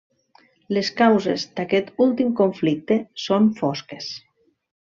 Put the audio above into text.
Les causes d'aquest últim conflicte són fosques.